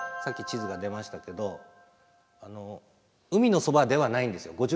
さっき地図が出ましたけど海のそばではないんですよ